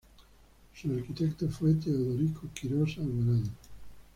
Su arquitecto fue Teodorico Quirós Alvarado.